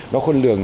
nó khôn lường